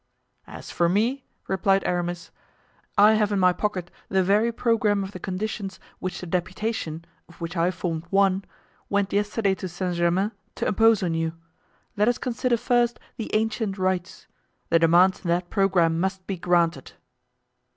"As for me," replied Aramis, "I have in my pocket the very programme of the conditions which the deputation—of which I formed one—went yesterday to Saint Germain to impose on you. Let us consider first the ancient rights. The demands in that programme must be granted."